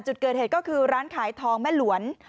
จุดเกิดเหตุก็คือร้านขายทองแม่หลวน